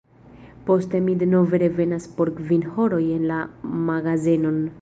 Poste mi denove revenas por kvin horoj en la magazenon.